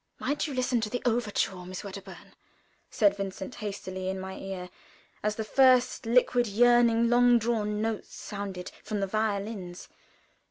"Mind you listen to the overture, Miss Wedderburn," said Vincent, hastily, in my ear, as the first liquid, yearning, long drawn notes sounded from the violins.